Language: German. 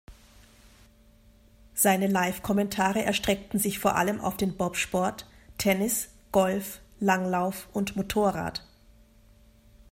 Seine Live-Kommentare erstreckten sich vor allem auf den Bobsport, Tennis, Golf, Langlauf und Motorrad.